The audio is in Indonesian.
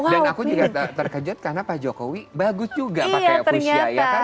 dan aku juga terkejut karena pak jokowi bagus juga pakai fuchsia ya kan